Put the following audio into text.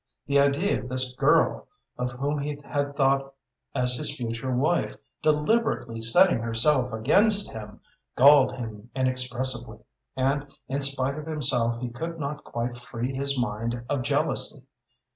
The idea of this girl, of whom he had thought as his future wife, deliberately setting herself against him, galled him inexpressibly, and in spite of himself he could not quite free his mind of jealousy.